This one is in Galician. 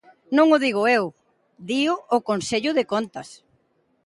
Non o digo eu, dío o Consello de Contas.